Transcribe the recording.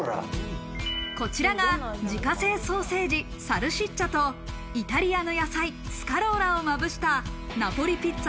こちらが自家製ソーセージ・サルシッチャと、イタリアの野菜・スカローラをまぶしたナポリピッツァ